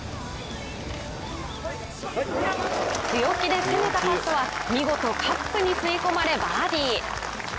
強気で攻めたパットは見事カップに吸い込まれバーディー。